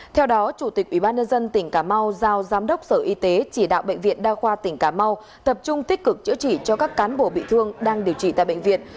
theo đó chủ tịch ubnd tỉnh cà mau giao giám đốc sở y tế chỉ đạo bệnh viện đa khoa tỉnh cà mau tập trung tích cực chữa trị cho các cán bộ bị thương đang điều trị tại bệnh viện